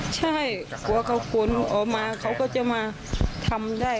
ใช่กลัวเขาขนออกมาเขาก็จะมาทำได้